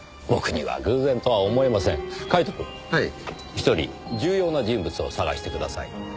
１人重要な人物を探してください。